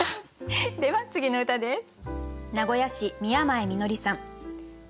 では次の歌です。